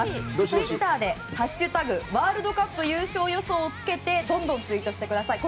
ツイッターで「＃ワールドカップ優勝予想」をつけてどんどんツイートしてください。